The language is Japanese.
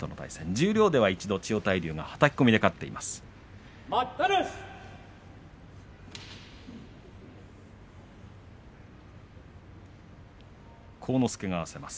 十両では千代大龍がはたき込みで勝っています。